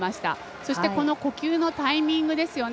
そして呼吸のタイミングですよね。